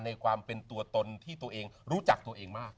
ในความเป็นตัวตนที่ตัวเองรู้จักตัวเองมาก